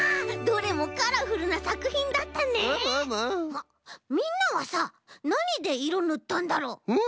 あっみんなはさなにでいろぬったんだろう？ん？